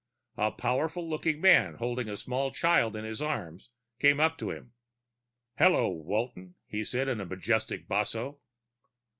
A powerful looking man holding a small child in his arms came up to him. "Hello, Walton," he said in a majestic basso.